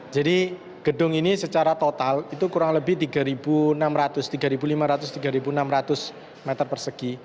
jadi gedung ini secara total itu kurang lebih tiga enam ratus tiga lima ratus tiga enam ratus meter persegi